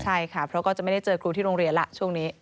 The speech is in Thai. ใช่ค่ะเพราะก็จะไม่ได้เจอครูที่โรงเรียนล่ะช่วงนี้